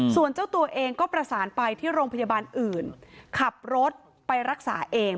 ส่วนเจ้าตัวเองก็ประสานไปที่โรงพยาบาลอื่นขับรถไปรักษาเอง